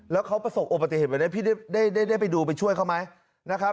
แล้วเขาประสบโอปฏิเหตุแบบนั้นพี่ได้ไปดูไปช่วยเขาไหม